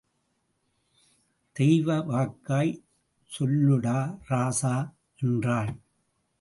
தெய்வ வாக்காய் சொல்லுடா ராசா... என்றாள்.